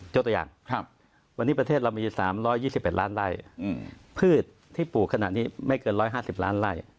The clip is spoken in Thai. ตัวอย่างวันนี้ประเทศเรามี๓๒๑ล้านไล่พืชที่ปลูกขนาดนี้ไม่เกิน๑๕๐ล้านไล่